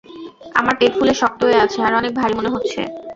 আমার পেট ফুলে শক্ত হয়ে আছে আর অনেক ভারী মনে হচ্ছে।